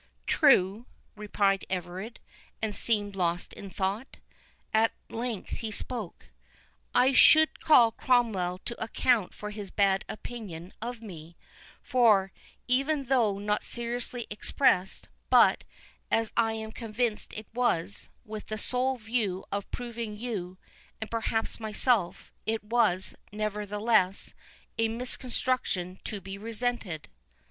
"True," replied Everard, and seemed lost in thought. At length he spoke—"I should call Cromwell to account for his bad opinion of me; for, even though not seriously expressed, but, as I am convinced it was, with the sole view of proving you, and perhaps myself, it was, nevertheless, a misconstruction to be resented."